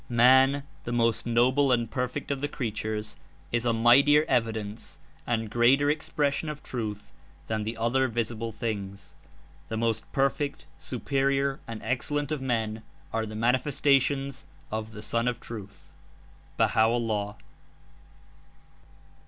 ''Man, the most noble and perfect of the creatures, is a mightier evidence and greater expression (of truth) than the other visible things. The most per fect, superior and excellent of men are the Manifesta tions of the Sun of Truth.'^ (Baha'o'llah.)